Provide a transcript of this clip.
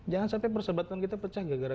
jangan sampai persahabatan kita pecah gara gara